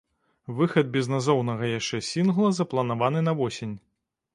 Выхад безназоўнага яшчэ сінгла запланаваны на восень.